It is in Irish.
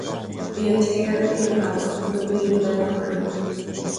Bhí an t-aer éalaithe agus na boinn le n-athrú.